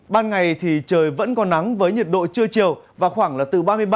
ban ngày thì trời vẫn có nắng với nhiệt độ trưa chiều và khoảng là từ ba mươi ba